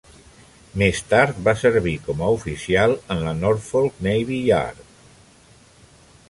Més tard va servir com a oficial en la Norfolk Navy Yard.